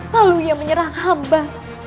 lalu ia menyerang amba